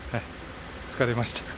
疲れました。